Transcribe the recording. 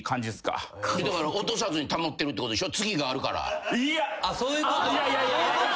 次があるから落とさずに保ってるってことでしょ。